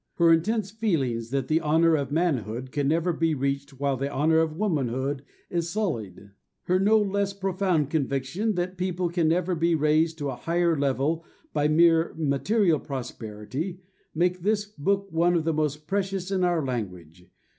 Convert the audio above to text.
Her intense feeling that the honour of manhood can never be reached while the honour of womanhood is sullied; her no less profound conviction that people can never be raised to a higher level by mere material prosperity, make this book one of the most precious in our language.